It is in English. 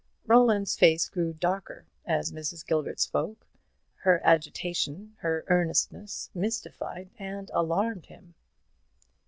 Roland's face grew darker as Mrs. Gilbert spoke. Her agitation, her earnestness, mystified and alarmed him.